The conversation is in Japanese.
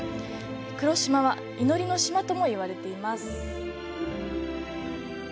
黒島は「祈りの島」とも言われています。